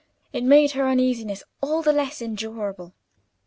It made her uneasiness all the less endurable.